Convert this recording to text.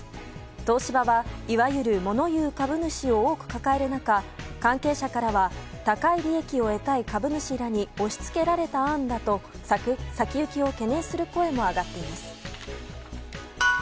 東芝は、いわゆるもの言う株主を多く抱える中関係者からは高い利益を得たい株主らに押しつけられた案だと先行きを懸念する声も上がっています。